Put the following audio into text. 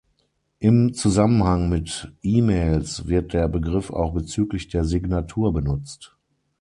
Im Zusammenhang mit E-Mails wird der Begriff auch bezüglich der Signatur benutzt.